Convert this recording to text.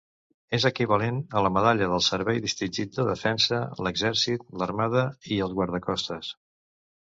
És equivalent a la Medalla del Servei Distingit de Defensa, l'Exèrcit, l'Armada i els Guardacostes.